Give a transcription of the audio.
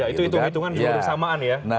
itu hitungan juga bersamaan ya pak sary